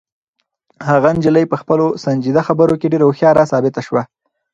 هغه نجلۍ په خپلو سنجیده خبرو کې ډېره هوښیاره ثابته شوه.